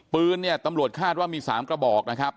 ปืนเนี่ยตำรวจคาดว่ามี๓กระบอกนะครับ